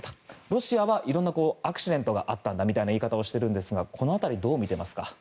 ロシアはいろんなアクシデントがあったんだみたいな言い方をしていますがこの辺り、どう見ていますか？